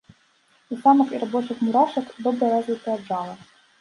У самак і рабочых мурашак добра развітае джала.